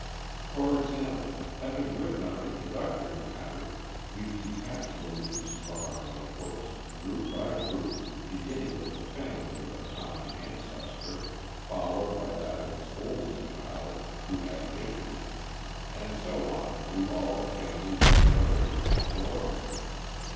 For example, having written our introductory matter, we detach the leaves from our notebooks, group by group, beginning with the family of the common ancestor, followed by that of his oldest child, who had issue, and so on through all the families and generations in order.